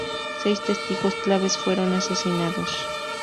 Seis testigos claves fueron asesinados.